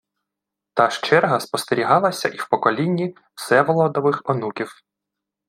Та ж черга спостерігалася і в поколінні Всеволодових онуків